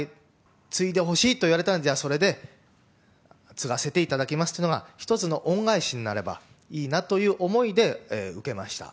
継いでほしいと言われたんじゃ、それで、継がせていただきますというのが一つの恩返しになればいいなという思いで受けました。